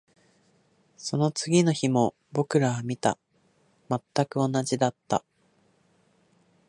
その次の日も僕らは見た。全く同じだった。